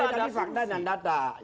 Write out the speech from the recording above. saya bicara tentang fakta dan data